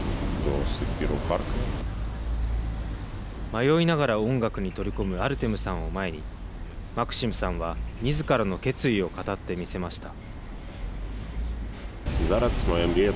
迷いながら音楽に取り組むアルテムさんを前にマクシムさんは、みずからの決意を語ってみせました。